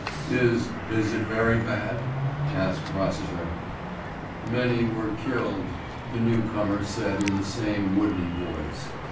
"Is is it very bad?" asked Rossiter. "Many were killed," the new comer said in the same wooden voice.